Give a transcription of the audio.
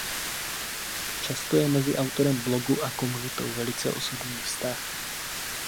Často je mezi autorem blogu a komunitou velice osobní vztah.